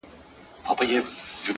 • پر حجره یې لکه مار وګرځېدمه,